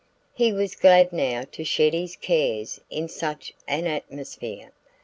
He was glad now to shed his cares in such an atmosphere.